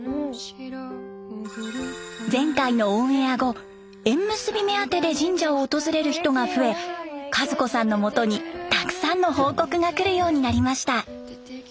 前回のオンエア後縁結び目当てで神社を訪れる人が増え和子さんのもとにたくさんの報告がくるようになりました。